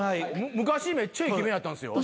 昔めっちゃイケメンやったんすよ。